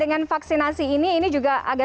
dengan vaksinasi ini ini juga agak